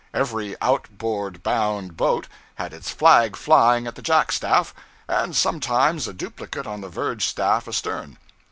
Every outward bound boat had its flag flying at the jack staff, and sometimes a duplicate on the verge staff astern.